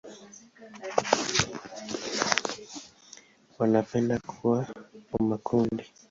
Wanapenda kuwa kwa makundi.